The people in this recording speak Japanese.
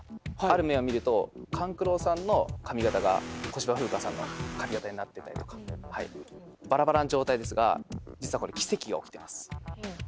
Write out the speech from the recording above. ある面を見ると勘九郎さんの髪形が小芝風花さんの髪形になってたりとかバラバラの状態ですが実はこれ奇跡が起きています。